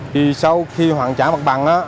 thì sau khi hoàn trả mặt bằng